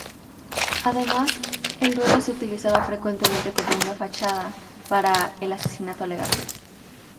Además el duelo se utilizaba frecuentemente como una fachada para el asesinato legal.